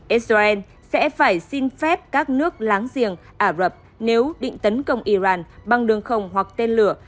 israel sẽ phải xin phép các nước láng giềng ả rập nếu định tấn công iran bằng đường không hoặc tên lửa